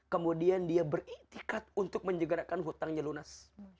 kemudian dia beriktikat untuk menjegarakan hutangnya lunas